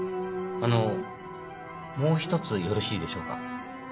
あのもう一つよろしいでしょうか。